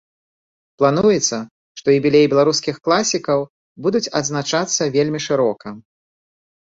Плануецца, што юбілеі беларускіх класікаў будуць адзначацца вельмі шырока.